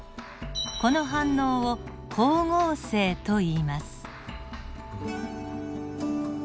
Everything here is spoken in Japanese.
この反応を光合成といいます。